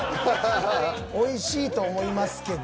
おいしいと思いますけど。